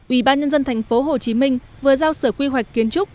ủy ban nhân dân thành phố hồ chí minh vừa giao sở quy hoạch kiến trúc